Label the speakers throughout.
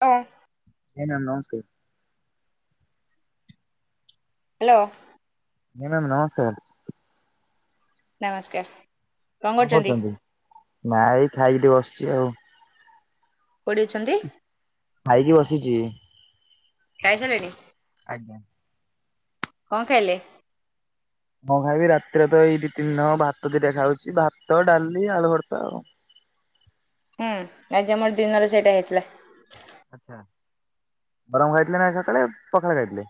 Speaker 1: ଅଁ।
Speaker 2: ଏଇନା ନମସ୍ତେ।
Speaker 1: ହାଲୋ।
Speaker 2: ଆଜ୍ଞା ମ୍ୟାମ୍ ନମସ୍କାର।
Speaker 1: ନମସ୍କାର। କଣ
Speaker 2: କଅଁ
Speaker 1: କରୁଛନ୍ତି
Speaker 2: କରୁଚନ୍ତି? ନା ଏଇ ଖାଇକି ଟିକେ ବସିଛି ଆଉ।
Speaker 1: କଉଠି ଅଛନ୍ତି?
Speaker 2: ଖାଇକି ବସିଚି।
Speaker 1: ଖାଇସାରିଲେଣି?
Speaker 2: ଆଜ୍ଞା।
Speaker 1: କଅଁ ଖାଇଲେ?
Speaker 2: କଅଁ ଖାଇବି ରାତିରେ ତ ଏଇ ଦି ତିନି ଦିନ ହବ ଭାତ ଦିଇଟା ଖାଉଛି, ଭାତ, ଡାଲି, ଆଳୁ ଭର୍ତା ଆଉ।
Speaker 1: ହୁଁ ଆଜି ଆମର ଦିନରେ ସେଇଟା ହେଇଥିଲା।
Speaker 2: ଆଚ୍ଛା ଗରମ ଖାଇଥିଲେ ନା ଆଜି ସକାଳେ ପଖାଳ ଖାଇଥିଲେ?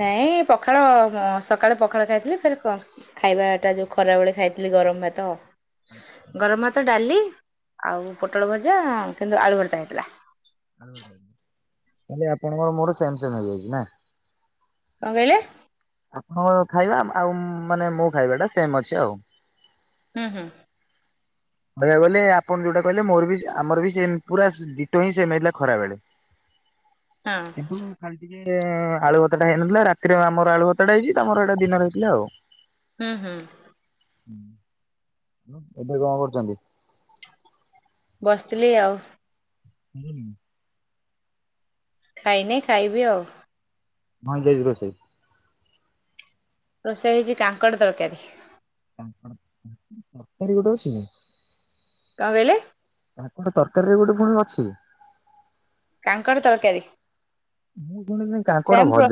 Speaker 1: ନାଇଁ ପଖାଳ ସକାଳେ ପଖାଳ ଖାଇଥିଲି ଫେର୍ କ ଖାଇବା ଟା ଯୋଉ ଖରାବେଳେ ଖାଇଥିଲି ଗରମ ଭାତ। ଗରମ ଭାତ, ଡାଲି ଆଉ ପୋଟଳ ଭଜା କିନ୍ତୁ ଆଳୁ ଭର୍ତା ହେଇଥିଲା।
Speaker 2: ହୁଁ ତାହେଲେ ଆପଣଙ୍କର ମୋର ସେମ୍ ସେମ୍ ହେଇଯାଇଚି ନା।
Speaker 1: କଅଁ କହିଲେ?
Speaker 2: ଆପଣ ଖାଇବା ଆଉ ମାନେ ମୋ ଖାଇବା ଟା ସେମ୍ ଅଛି ଆଉ।
Speaker 1: ହୁଁ, ହୁଁ।
Speaker 2: କହିବାକୁ ଗଲେ ଆପଣ ଯୋଉଟା କହିଲେ ମୋର ବି ଆମର ବି ସେମ୍ ପୁରା ଡିଟୋ ହିଁ ସେମ୍ ହେଇଥିଲା ଖରା ବେଳେ। [unintelligible]
Speaker 1: ହଁ।
Speaker 2: କିନ୍ତୁ ଖାଲି ଟିକେ ଆଳୁ ଭତା ଟା ହେଇନଥିଲା ରାତିରେ ଆମର ଆଳୁ ଭତାଟା ହେଇଛି ତମର ଏଇଟା ଦିନ ହେଇଥିଲା ଆଉ।
Speaker 1: ହୁଁ, ହୁଁ।
Speaker 2: ହୁଁ। ଏବେ କଅଁ କରୁଛନ୍ତି?
Speaker 1: ବସିଥିଲି ଆଉ।
Speaker 2: ହୁଁ।
Speaker 1: ଖାଇନେଇ ଖାଇବି ଆଉ।
Speaker 2: କଣ ହେଇଚି ଆଜି ରୋଷେଇ?
Speaker 1: ରୋଷେଇ ହେଇଚି କାଙ୍କଡ଼ ତରକାରୀ।
Speaker 2: କାଙ୍କଡ଼ ଗୋଟେ ଅଛିକି?
Speaker 1: କଁ କଇଲେ?
Speaker 2: କାଙ୍କଡ଼ ତରକାରୀରେ ଗୋଟେ ଫୁଣି ଅଛି।
Speaker 1: କାଙ୍କଡ଼ ତରକାରୀ।
Speaker 2: ମୁଁ କଣ ଯା
Speaker 1: ସେମ୍ ପ୍ର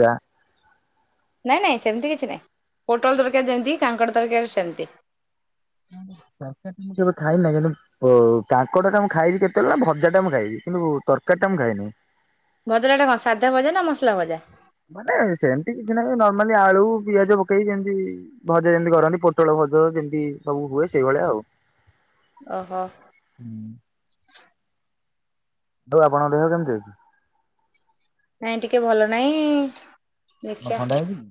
Speaker 1: ନାଇଁ ନାଇଁ ସେମିତି କିଛି ନାଇଁ ପୋଟଳ ତରକାରୀ ଯେମିତି କାଙ୍କଡ଼ ତରକାରୀ ସେମିତି।
Speaker 2: ମୁଁ ତରକାରୀଟା ମୁଁ କେବେ ଖାଇନାହିଁ କିନ୍ତୁ ଓ କାଙ୍କଡ଼ଟା ମୁଁ ଖାଇଚି କେତେବେଳେନା ଭଜାଟା ମୁଁ ଖାଇଚି କିନ୍ତୁ ତରକାରୀଟା ମୁଁ ଖାଇନି।
Speaker 1: ଭଜାଟା ହେଟା କଣ ସାଧା ଭଜାନା ମସଲା ଭଜା?
Speaker 2: ମାନେ ସେମିତି କିଛି ନାହିଁ ନର୍ମାଲି ଆଳୁ ପିଆଜ ପକେଇକି ଯେମିତି ଭଜା ଯେମିତି କରନ୍ତିି ପୋଟଳ ଭଜ ଯେମିତି ସବୁ ହୁଏ ସେଇଭଳିଆ ଆଉ।
Speaker 1: ଓହୋ।
Speaker 2: ହୁଁ। ଆଉ ଆପଣଙ୍କ ଦେହ କେମିତି ଅଛି?
Speaker 1: ନାଇଁ ଟିକେ ଭଲ ନାଇଁ
Speaker 2: କଣ
Speaker 1: ଦେଖିଆ
Speaker 2: ଥଣ୍ଡା ହେଇଚିକି?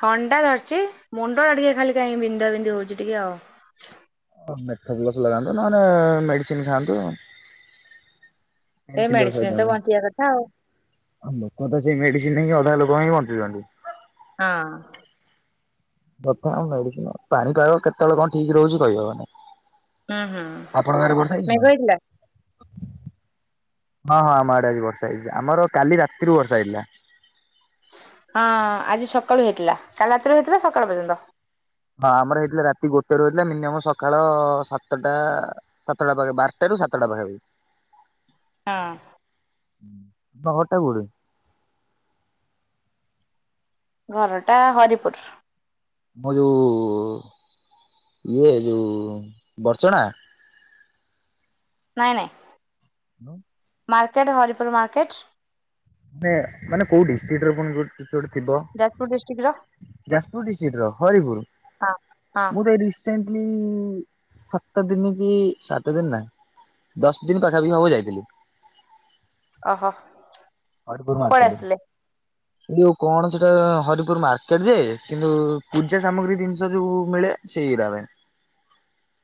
Speaker 1: ଥଣ୍ଡା ଧରିଚି ମୁଣ୍ଡଟା ଟିକେ ଖାଲି କାହିଁ ବିନ୍ଧା ବିନ୍ଧି ହଉଚି ଟିକେ ଆଉ।
Speaker 2: ଅ ମେଥପ୍ଲସ୍ ଲଗାନ୍ତୁ ନହେଲେ ମେଡ଼ିସିନ୍ ଖାଆନ୍ତୁ। ପେନ୍
Speaker 1: ସେଇ
Speaker 2: କିଲର
Speaker 1: ମେଡିସିନରେତ ବଞ୍ଚିବା କଥା ଆଉ।
Speaker 2: ଆ ଲୋକତ ସେଇ ମେଡ଼ିସିନ୍ ନେଇକି ଅଧା ଲୋକ ହିଁ ବଞ୍ଚୁଚନ୍ତି।
Speaker 1: ହଁ।
Speaker 2: କଥା ମେଡ଼ିସିନ୍ ପାଣି ପାଗ କେତେବେଳେ କଣ ଠିକ୍ ରହୁଚି କହିହେବ ନାହିଁ।
Speaker 1: ହୁଁ ହୁଁ
Speaker 2: ଆପଣଙ୍କ ଆଡ଼େ ବର୍ଷା
Speaker 1: ମେଘ
Speaker 2: ହେଇଚିନା?
Speaker 1: ହେଇଥିଲା?
Speaker 2: ହଁ ହଁ ଆମ ଆଡ଼େ ଆଜି ବର୍ଷା ହେଇଚି, ଆମର କାଲି ରାତିରୁ ବର୍ଷା ହେଇଥିଲା।
Speaker 1: ହଁ ଆଜି ସକାଳୁ ହେଇଥିଲା କାଲି ରାତିରୁ ହେଇଥିଲା ସକାଳୁ ପର୍ଯ୍ୟନ୍ତ।
Speaker 2: ହଁ ଆମର ହେଇଥିଲା ରାତି ଗୋଟେରୁ ହେଇଥିଲା ମିନିମମ୍ ସକାଳ ସାତଟା ସାତଟା ପାଖି ବାରଟାରୁ ସାତଟା ପାଖାପାଖି।
Speaker 1: ହଁ।
Speaker 2: ତମ ଘରଟା କେଉଁଠି?
Speaker 1: ଘରଟା ହରିପୁର।
Speaker 2: ମୋ ଯୋଉ ଇଏ ଯୋଉ ବର୍ଚଣା?
Speaker 1: ନାଇଁ ନାଇଁ।
Speaker 2: ହାଲୋ।
Speaker 1: Market Haripur market.
Speaker 2: ବେ ମାନେ କୋଉଠି ଡିଷ୍ଟ୍ରିକ୍ଟରେ ପୁଣି କୋଉଁଠି କିଛିତ ଗୋଟେ ଥିବ?
Speaker 1: ଯାଜପୁର ଡିଷ୍ଟ୍ରିକ୍ଟର।
Speaker 2: ଯାଜପୁର ଡିଷ୍ଟ୍ରିକ୍ଟର ହରିପୁର
Speaker 1: ହଁ ହଁ
Speaker 2: ମୁଁ ତ ଏଇଠି ରିସେଲଣ୍ଡି ସାତ ଦିନକି ସାତ ଦିନିନା। ଦଶ ଦିନ ପାଖାପାଖି ହବ ଯାଇଥିଲି।
Speaker 1: ଓହୋ।
Speaker 2: ହରିପୁୁର
Speaker 1: କୁଆଡେ
Speaker 2: ମାର୍କେଟ।
Speaker 1: ଆସିଥିଲେ?
Speaker 2: ଏଯୋଉ କଣ ସେଟା ହରିପୁର ମାର୍କେଟଯେ କିନ୍ତୁ ପୂଜା ସାମଗ୍ରୀ ଜିନିଷ ଯୋଉ ମିଳେ? ସେଇଦାମେ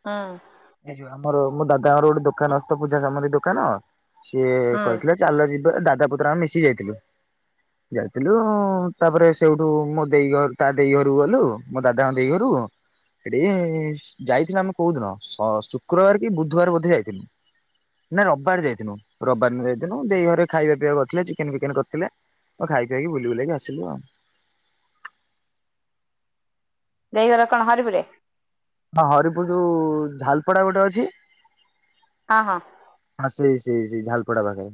Speaker 1: ହଁ।
Speaker 2: ଏଇ ଯେଉଁ ଆମର ମୋ ଦାଦାଙ୍କର ଗୋଟେ ଦୋକାନ ଅଛି ତ ପୂଜା ସାମଗ୍ରୀ ଦୋକାନ ସିଏ
Speaker 1: ହୁଁ
Speaker 2: କହିଥିଲେ। ଚାଲ ଯିବା ଦାଦା ପୁତୁରା ଆମେ ମିଶି ଯାଇଥିଲୁ। ଯାଇଥିଲୁ ତାପରେ ସେଉଠୁ ମୋ ଦେଇ ଘର ତା ଦେଇ ଘରକୁ ଗଲୁ। ମୋ ଦାଦାଙ୍କ ଦେଇ ଘରକୁ। ସେଠିକି ଯାଇଥିଲୁ ଆମେ କୋଉଦିନ ସ ଶୁକ୍ରବାର କି ବୁଧବାର ବୋଧେ ଯାଇଥିଲୁ। ନା ରବିବାର ଯାଇଥିନୁ ରବିବାର ଦିନ ଯାଇଥିନୁ ଦେଇ ଘରେ ଖାଇବା ପିଇବା କରିଥିଲେ। ଥିଲେ ଚିକେନ ଫିକେନ କରିଥିଲେ ଆଉ ଖାଇ ଖୁଆକି ବୁଲି ବୁଲ। କି ଆସିଲୁ ଆଉ।
Speaker 1: ଦେଇଘର କଣ ହରିପୁରରେ?
Speaker 2: ହଁ ହରିପୁର ଯୋଉଁ ଝାଲପଡା ଗୋଟେ ଅଛି।
Speaker 1: ହଁ- ହଁ।
Speaker 2: ହଁ ସେଇ ସେଇ ସେଇ ଝାଲପଡା ପାଖରେ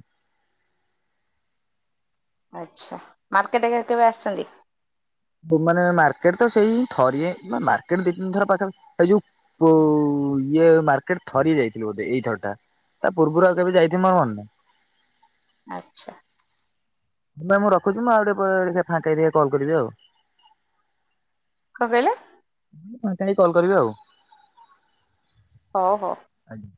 Speaker 1: ଆଚ୍ଛା ମାର୍କେଟ କେବେ ଆସିଛନ୍ତି।
Speaker 2: ମାନେ ମାର୍କେଟ ତ ସେଇ ଥରି ମାର୍କେଟ ଦି ତିନି ଥର ପାଖପ ସେଇ ଯୋଉ ଇଏ ମାର୍କେଟ ଥରି ଯାଇଥିଲ ବୋଧେ ଏଇଥର ଟା ତା ପୂର୍ବରୁ ଆଉ କେବେ ଯାଇଥିବ ମନେ
Speaker 1: ଆଚ୍ଛା।
Speaker 2: ମୁଁ ରଖୁଛି ମୁ ଆ ଗୋଟେ ଟେ ଫାେଇ ଦେଇି କଲ କରିବି ଆଉ
Speaker 1: କଣ କହିଲେ?
Speaker 2: କ କାହିଁକ କଲ କରିବି ଆଉ
Speaker 1: ହଉ- ହଉ
Speaker 2: ଆଜ୍ଞା।